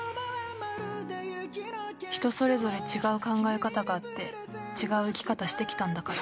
人それぞれ違う考え方があって違う生き方してきたんだから。